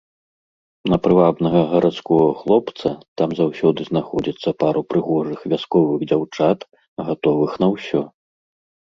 На прывабнага гарадскога хлопца там заўсёды знаходзіцца пару прыгожых вясковых дзяўчат, гатовых на ўсё.